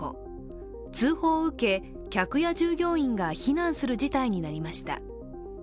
通報を受け、客や従業員が避難する事態になりました。